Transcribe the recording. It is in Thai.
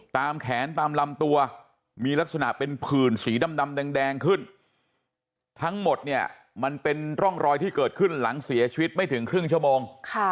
ตามแขนตามลำตัวมีลักษณะเป็นผื่นสีดำแดงขึ้นทั้งหมดเนี่ยมันเป็นร่องรอยที่เกิดขึ้นหลังเสียชีวิตไม่ถึงครึ่งชั่วโมง